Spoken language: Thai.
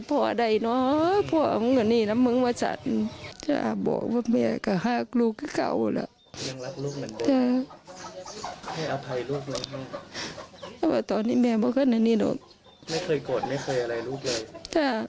ตอนนี้แม่เขาเข้าในนี่ล่ะ